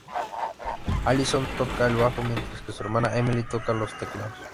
Allison toca el bajo mientras que su hermana Emily toca los teclados.